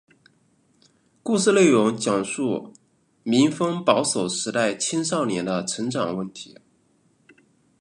故事内容讲述民风保守时代青少年的成长问题。